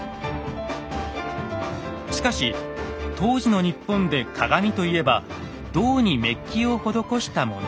しかし当時の日本で鏡といえば銅にメッキを施したもの。